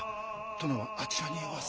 殿はあちらにおわす。